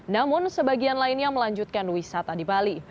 namun sebagian lainnya melanjutkan wisata di bali